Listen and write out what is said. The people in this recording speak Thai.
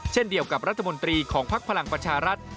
เช่นเดียวกับรัฐมนตรีของภักดิ์พลังประชารัฐ